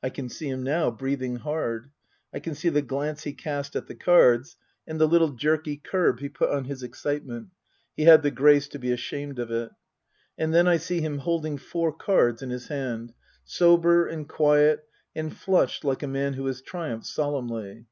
I can see him now, breathing hard. I can see the glance he cast at the cards, and the little jerky curb he put on his excitement he had the grace to be ashamed of it. And then I see him holding four cards in his hand, sober and quiet and flushed like a man who has triumphed solemnly.